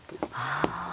ああ。